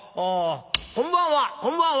「こんばんはこんばんは」。